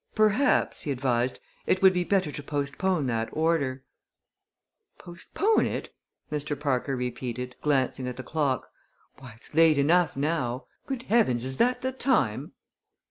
"Perhaps," he advised, "it would be better to postpone that order." "Postpone it?" Mr. Parker repeated, glancing at the clock. "Why, it's late enough now. Good Heavens, is that the time?"